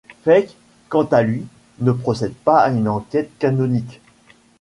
Faict, quant à lui, ne procède pas à une enquête canonique.